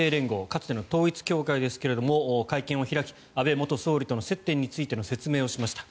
かつての統一教会ですが会見を開き安倍元総理との接点についての説明をしました。